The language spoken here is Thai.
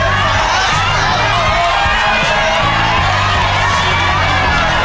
เดี๋ยวมา